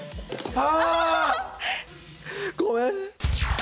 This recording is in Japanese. あ！